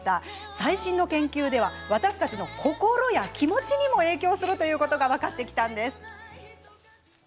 最新の研究では私たちの心や気持ちにも影響することが分かってきたんです。